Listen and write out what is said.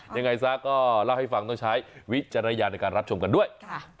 ยังไงซะก็เล่าให้ฟังต้องใช้วิจารณญาณในการรับชมกันด้วย